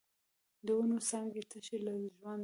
د ونو څانګې تشې له ژونده